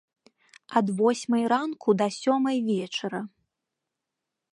Ад восьмай ранку да сёмай вечара.